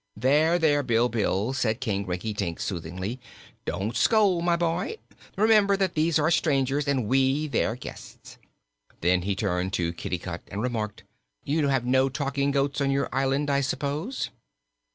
"There, there, Bilbil," said King Rinkitink soothingly; "don't scold, my boy. Remember that these are strangers, and we their guests." Then he turned to Kitticut and remarked: "You have no talking goats on your island, I suppose."